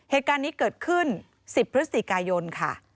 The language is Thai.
เหตุการณ์นี้เกิดขึ้น๑๐พฤศจิกายนค่ะ